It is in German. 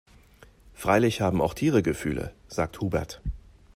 Freilich haben auch Tiere Gefühle, sagt Hubert.